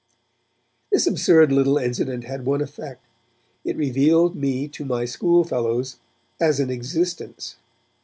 This absurd little incident had one effect, it revealed me to my schoolfellows as an existence.